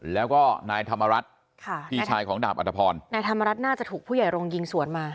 แล้วก็นายธรรมรัฐค่ะพี่ชายของดาบอัตภพรนายธรรมรัฐน่าจะถูกผู้ใหญ่โรงยิงสวนมา